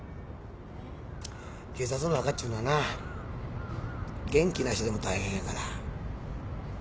警察の中っちゅうのはな元気な人でも大変やから。